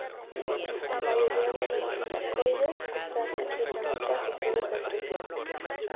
La mayoría de los tilacoides están estrechamente asociados entre sí.